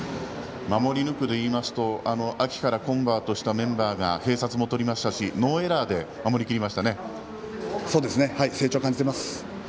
守り抜くでいいますと秋からコンバートしたメンバーが併殺もとりましたしノーエラーで成長を感じています。